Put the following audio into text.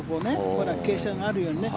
ほら、傾斜があるようにね。